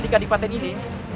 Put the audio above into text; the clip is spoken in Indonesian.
di kadipaten ini